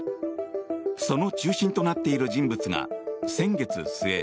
その中心となっている人物が先月末